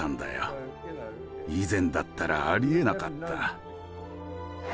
以前だったらありえなかった。